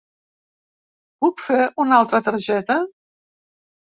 Puc fer una altra targeta?